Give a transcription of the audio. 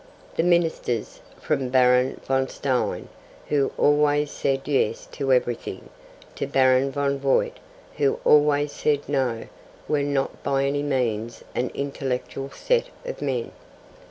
The Ministers, from Baron von Stein, who always said 'yes' to everything, to Baron von Voit, who always said 'no,' were not by any means an intellectual set of men.